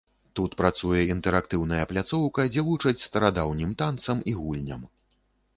Тут працуе інтэрактыўная пляцоўка, дзе вучаць старадаўнім танцам і гульням.